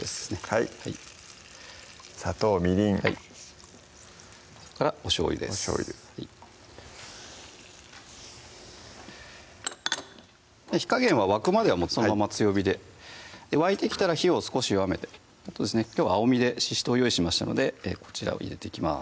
はい砂糖・みりんはいそれからおしょうゆですおしょうゆ火加減は沸くまではそのまま強火で沸いてきたら火を少し弱めてあときょうは青みでししとう用意しましたのでこちらを入れていきます